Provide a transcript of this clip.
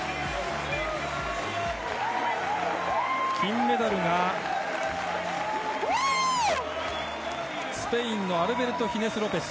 金メダルが、スペインのアルベルト・ヒネス・ロペス。